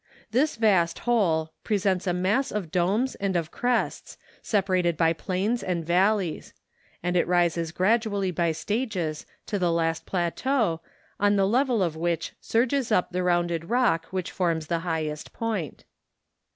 This vast whole presents a mass of domes and of crests, separated by plains and valleys; and it rises gradually by stages to the last plateau, on the level of which surges up the rounded rock which forms the highest point.